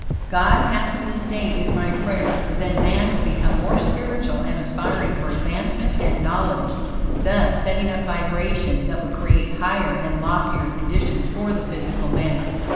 God hasten this day is my prayer, for then man will become more spiritual and aspiring for advancement and knowledge, thus, setting up vibrations that will create higher and loftier conditions for the physical man.